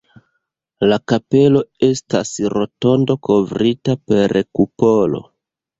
La kapelo estas rotondo kovrita per kupolo.